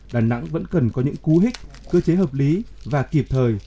đà nẵng vẫn cần có những cú hích cơ chế hợp lý và kịp thời